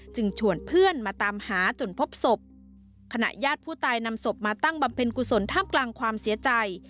ชวนเพื่อนมาตามหาจนพบศพขณะญาติผู้ตายนำศพมาตั้งบำเพ็ญกุศลท่ามกลางความเสียใจ